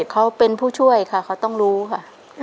เขาเป็นผู้ช่วยค่ะเขาต้องรู้ค่ะ